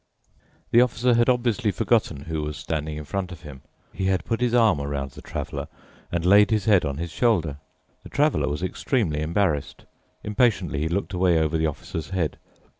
The Officer had obviously forgotten who was standing in front of him. He had put his arm around the Traveler and laid his head on his shoulder. The Traveler was extremely embarrassed. Impatiently he looked away over the Officer's head.